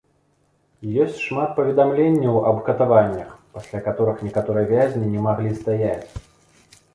Ёсць шмат паведамленняў аб катаваннях, пасля каторых некаторыя вязні не маглі стаяць.